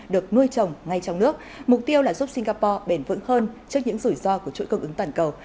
được nuôi trồng ngay trong nước mục tiêu là giúp singapore bền vững hơn trước những rủi ro của chuỗi cung ứng toàn cầu